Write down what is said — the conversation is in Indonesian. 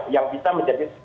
yang bisa menjadi